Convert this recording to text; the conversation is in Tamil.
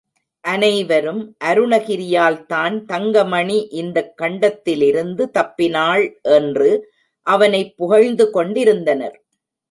அனைவரும், அருணகிரியால்தான் தங்க மணி இந்த கண்டத்திலிருந்து தப்பினாள், என்று அவனை புகழ்ந்து கொண்டிருந்தனர்.